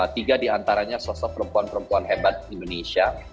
tiga diantaranya sosok perempuan perempuan hebat indonesia